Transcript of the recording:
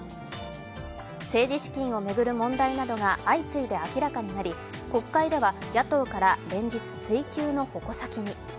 政治資金を巡る問題などが相次いで明らかになり国会では野党から連日、追及の矛先に。